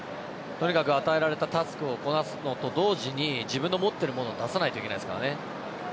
とにかく与えられたタスクをこなすのと同時に自分の持っているものを出さないといけないですからね。